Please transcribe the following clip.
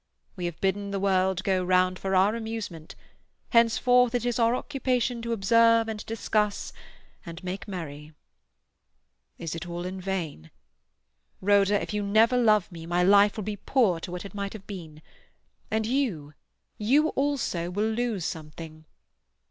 We have bidden the world go round for our amusement; henceforth it is our occupation to observe and discuss and make merry. "Is it all in vain? Rhoda, if you never love me, my life will be poor to what it might have been; and you, you also, will lose something.